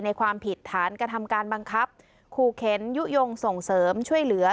ความผิดฐานกระทำการบังคับขู่เข็นยุโยงส่งเสริมช่วยเหลือ